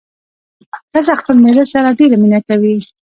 ښځه خپل مېړه سره ډېره مينه کوي